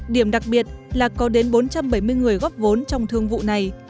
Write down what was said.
điểm đặc biệt là có đến bốn trăm bảy mươi người góp vốn trong thương vụ này